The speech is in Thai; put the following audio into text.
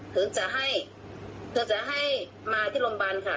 ถึงจะให้เธอจะให้มาที่โรงพยาบาลค่ะ